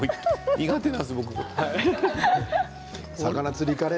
苦手なんですよ、僕これ。